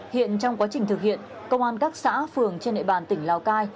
hiện trong quá trình thực hiện công an các xã phường trên địa bàn tỉnh lào cai